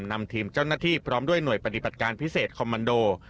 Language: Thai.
นำทีมเจ้าหน้าที่พร้อมด้วยหน่วยปฏิบัติการพิเศษคอมมันโด